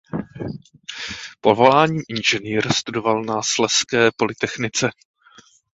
Povoláním inženýr studoval na Slezské polytechnice.